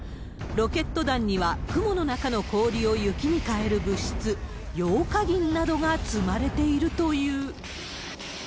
ロケット弾には、雲の中の氷を雪に変える物質、ヨウ化銀などが積まれているという。